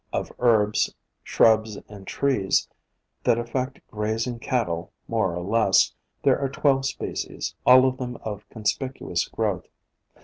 1 82 POISONOUS PLANTS Of herbs, shrubs and trees that affect grazing cattle more or less, there are twelve species, all of them of conspicuous growth.